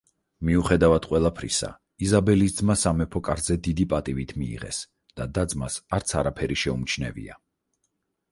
მიუხედავად ყველაფრისა იზაბელის ძმა სამეფო კარზე დიდი პატივით მიიღეს და და-ძმას არც არაფერი შეუმჩნევია.